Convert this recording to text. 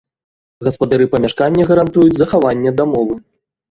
Гаспадары памяшкання гарантуюць захаванне дамовы.